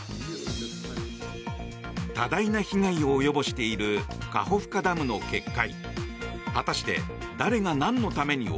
多大な被害を及ぼしているカホフカダムの決壊。